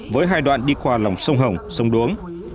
với hai đoạn đi qua lòng sông hồng sông đuống